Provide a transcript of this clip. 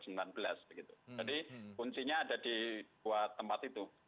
jadi kuncinya ada di dua tempat itu